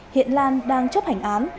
hiện lan đang chấp hành án